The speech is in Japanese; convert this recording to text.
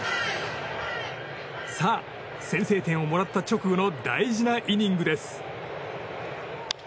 さあ、先制点をもらった直後の大事なイニングです。